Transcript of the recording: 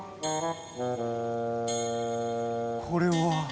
これは？